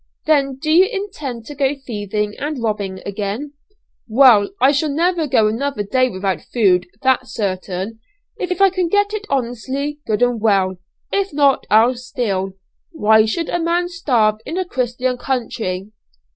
"Then do you intend to go thieving and robbing again?" "Well, I shall never go another day without food, that's certain. If I can get it honestly, good and well; if not I'll steal: why should a man starve in a Christian country?"